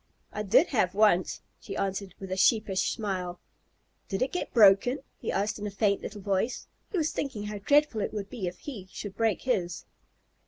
"I did have once," she answered with a sheepish smile. "Did it get broken?" he asked in a faint little voice. He was thinking how dreadful it would be if he should break his.